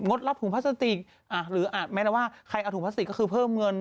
งดรับขูมพลาสติกหรืออาจแม้ว่าไข่อาดราวราชาธิก็คือเพิ่มเงิน